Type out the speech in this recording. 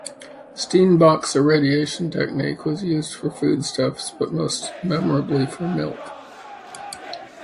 Steenbock's irradiation technique was used for food stuffs, but most memorably for milk.